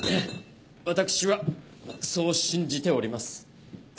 私はそう信じております。